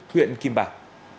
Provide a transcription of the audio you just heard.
huyện kim bảng